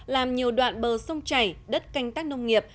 làm nhiều đoạn bờ sông chảy đất canh tác nông nghiệp